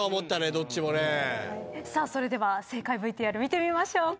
さあそれでは正解ＶＴＲ見てみましょう。